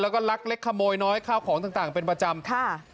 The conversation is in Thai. แล้วก็ลักเล็กขโมยน้อยข้าวของต่างเป็นประจำค่ะ